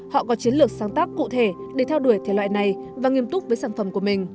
họ có chiến lược sáng tác cụ thể để theo đuổi thể loại này và nghiêm túc với sản phẩm của mình